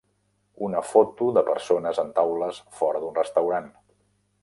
Una foto de persones en taules fora d'un restaurant.